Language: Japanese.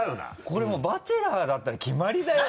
これもう「バチェラー」だったら決まりだよ。